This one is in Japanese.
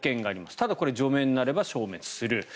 ただこれは除名になれば消滅する。